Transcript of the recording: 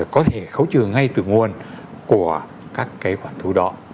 có thể khấu trừ ngay từ nguồn của các cái khoản thu đó